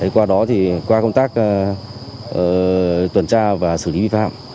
qua đó thì qua công tác tuần tra và xử lý vi phạm